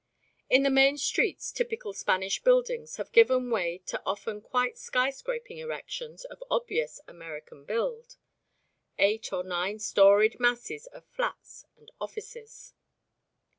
In the main streets typical Spanish buildings have given way to often quite sky scraping erections of obvious American build eight or nine storeyed masses of flats and offices.